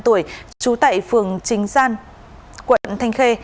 năm mươi năm tuổi trú tại phường trình gian quận thanh khê